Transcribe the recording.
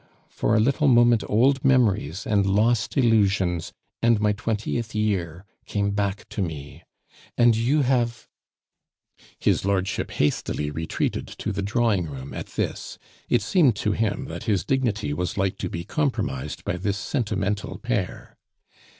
for a little moment old memories, and lost illusions, and my twentieth year came back to me, and you have " His lordship hastily retreated to the drawing room at this; it seemed to him that his dignity was like to be compromised by this sentimental pair.